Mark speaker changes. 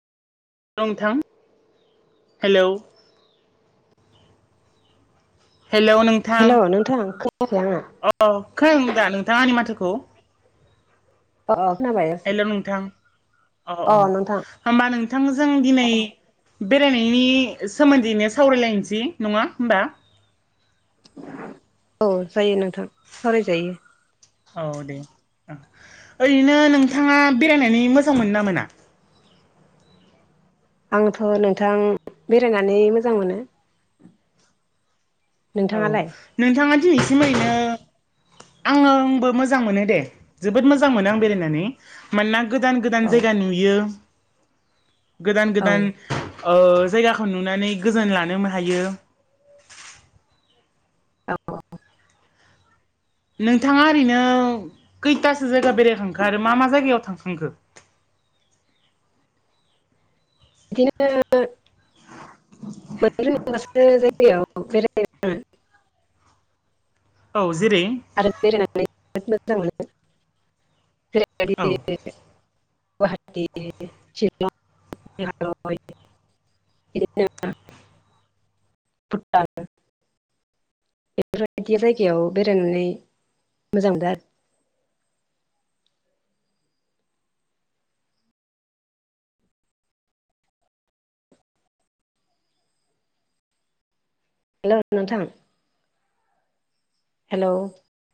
Speaker 1: नोंथां hello hello
Speaker 2: hello
Speaker 1: नोंथां
Speaker 2: खोनायाखै आंना
Speaker 1: अ खोनादोंदा नोंथाङा आंनि माथोखौ
Speaker 2: अ खोनाबाय दासो
Speaker 1: हेल' नोंथां अ अ होमबा नोंथांजों दिनै बेरायनायनि सोमोन्दैनो सावरायलायनोसै नङा होमबा [inaudible]
Speaker 2: औ जायो नोंथां सावरायजायो
Speaker 1: औ दे ओरैनो
Speaker 2: औ
Speaker 1: नोंथाङा बेरायनानै मोजां मोनो ना मोना
Speaker 2: आंथ' नोंथां बेरायनानै मोजां मोनो
Speaker 1: औ
Speaker 2: नोंथाङालाय
Speaker 1: नोंथाङा दिनैसिम ओरैनो आङो आंबो मोजां मोनो दे जोबोद मोजां मोनो आं बेरायनानै मानोना गोदान गोदान
Speaker 2: औ
Speaker 1: जायगा नुयो गोदान
Speaker 2: औ
Speaker 1: गोदान जायगाखौ नुनानै गोजोन लानो हायो
Speaker 2: औ
Speaker 1: नोंथाङा ओरैनो खैथासो जायगा बेरायखांखो आरो मा मा जायगायाव थांखांखो [inaudible]
Speaker 2: बिदिनो [unintelligible]
Speaker 1: औ जेरै
Speaker 2: आरो [unintelligible]
Speaker 1: औ
Speaker 2: गुवाहाटि शिलं मेघालय बिदिनो [unintelligible] बेफोरबायदि जायगायाव बेरायनानै मोजां मोनदों आरो हेल' नोंथां हेल'